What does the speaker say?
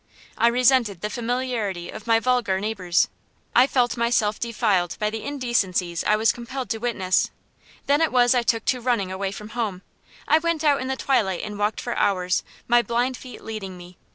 I resented the familiarity of my vulgar neighbors. I felt myself defiled by the indecencies I was compelled to witness. Then it was I took to running away from home. I went out in the twilight and walked for hours, my blind feet leading me.